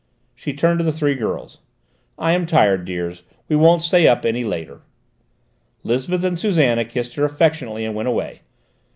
She turned to the three girls. "I am tired, dears; we won't stay up any later." Lisbeth and Susannah kissed her affectionately and went away.